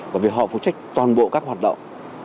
bởi vì họ phụ trách toàn bộ các hoạt động